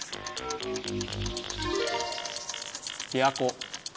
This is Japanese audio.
琵琶湖。